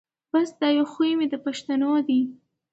بس دا یو خوی مي د پښتنو دی